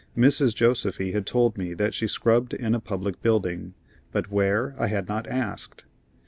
Mrs. Josefy had told me that she scrubbed in a public building, but where I had not asked.